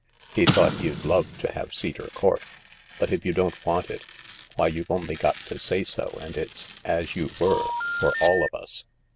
He thought you'd love to have Cedar Court. But if you don't want it — why, you've only to say so, and it's ' as you were ' for all of us."